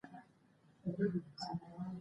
د لبنیاتو د پروسس فابریکې اقتصاد ته ګټه رسوي.